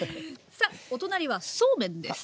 さあお隣はそうめんです。